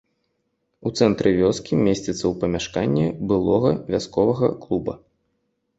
У цэнтры вёскі, месціцца ў памяшканні былога вясковага клуба.